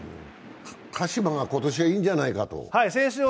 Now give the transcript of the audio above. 鹿島は今年はいいんじゃないかと。